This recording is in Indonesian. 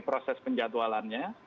di proses penjadwalannya